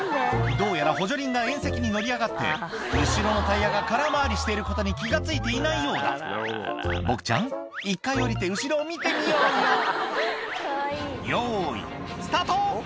どうやら補助輪が縁石に乗り上がって後ろのタイヤが空回りしていることに気が付いていないようだボクちゃん１回降りて後ろを見てみようよ用意スタート！